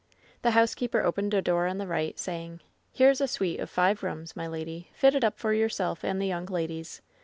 The housekeeper opened a door on the right, saying: "Here is a suite of five rooms, my lady, fitted up for yourself and the young ladies.